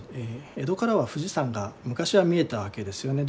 江戸からは富士山が昔は見えたわけですよね。